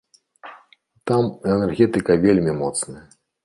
Там энергетыка вельмі моцная.